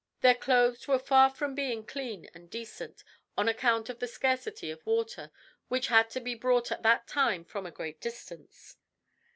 Their clothes were far from being clean and decent, on account of the scarcity of water, which had to be brought at that time from a great distance.